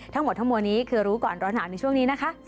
ทั้งหมดทั้งมวลนี้คือรู้ก่อนร้อนหนาวในช่วงนี้นะคะ